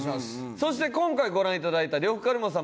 そして今回ご覧いただいた呂布カルマさん